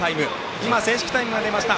今、正式タイムが出ました